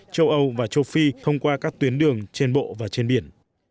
châu âu và châu phi thông qua các tuyến đường trên bộ và trên biển